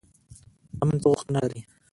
امن څه غوښتنه لري؟